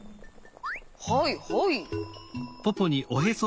はいはい。